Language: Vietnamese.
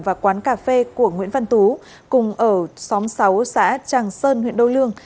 và quán cà phê của nguyễn văn tú cùng ở xóm sáu xã tràng sơn huyện đô lương